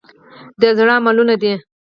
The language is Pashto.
د زړه عملونه دي .